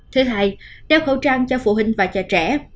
thứ hai đeo khẩu trang cho phụ huynh và cho trẻ